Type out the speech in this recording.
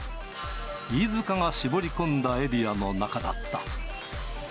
飯塚が絞り込んだエリアの中だった。